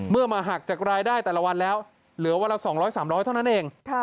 เมื่อมาหักจากรายได้แต่ละวันแล้วเหลือวันละสองร้อยสามร้อยเท่านั้นเองค่ะ